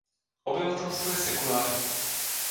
Obyvatelstvo je sekulární.